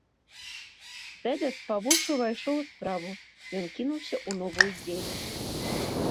Сэдас па вушы ўвайшоў у справу, ён кінуўся ў новую дзейнасць.